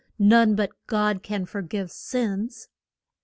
None but God can for give sins.